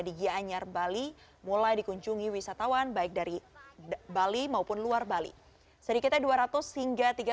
di gianyar bali mulai dikunjungi wisatawan baik dari bali maupun luar bali sedikitnya dua ratus hingga